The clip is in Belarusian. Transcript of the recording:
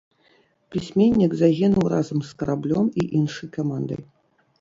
Пісьменнік загінуў разам з караблём і іншай камандай.